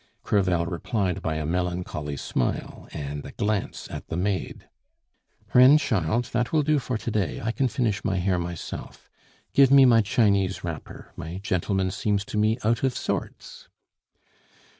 Crevel replied by a melancholy smile and a glance at the maid. "Reine, child, that will do for to day; I can finish my hair myself. Give me my Chinese wrapper; my gentleman seems to me out of sorts."